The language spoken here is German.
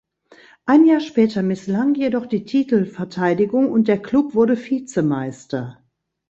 Ein Jahr später misslang jedoch die Titelverteidigung und der Klub wurde Vizemeister.